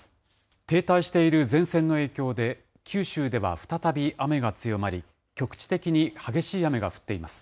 停滞している前線の影響で、九州では再び雨が強まり、局地的に激しい雨が降っています。